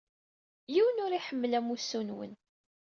Yiwen ur iḥemmel amussu-nwen.